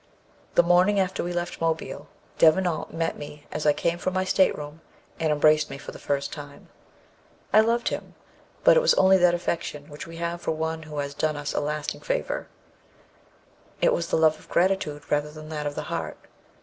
"The morning after we left Mobile, Devenant met me as I came from my state room, and embraced me for the first time. I loved him, but it was only that affection which we have for one who has done us a lasting favour: it was the love of gratitude rather than that of the heart.